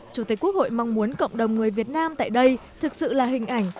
chủ tịch quốc hội mong muốn cộng đồng người việt nam tại đây thực sự là hình ảnh